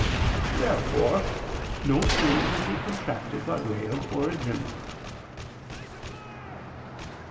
Therefore no sin can be contracted by way of origin. Obj.